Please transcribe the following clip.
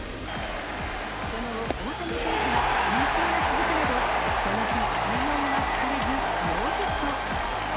その大谷選手は三振が続くなど、この日、快音は聞かれずノーヒット。